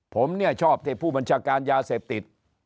ผมเนี่ยชอบที่ผู้บัญชาการยาเสพติด